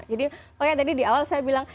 jadi pokoknya tadi di awal saya bilang